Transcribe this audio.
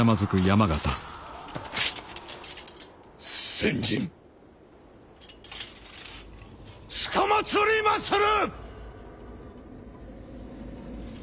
先陣つかまつりまする！